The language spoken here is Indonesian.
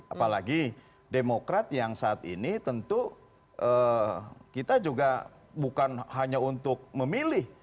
apalagi demokrat yang saat ini tentu kita juga bukan hanya untuk memilih